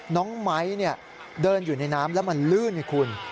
น้องไม้เดินอยู่ในน้ำแล้วมันลื่นไงคุณ